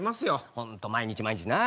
本当毎日毎日なあ。